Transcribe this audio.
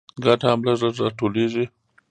ګټه هم لږ لږ راټولېږي